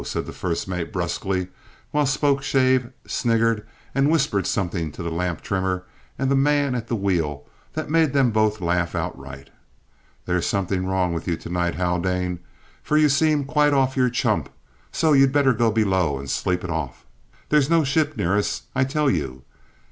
said the first mate brusquely, while Spokeshave sniggered and whispered something to the lamp trimmer and man at the wheel that made them both laugh out right. "There's something wrong with you to night, Haldane, for you seem quite off your chump, so you'd better go below and sleep it off. There's no ship near us, I tell you!